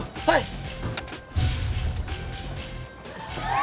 はい！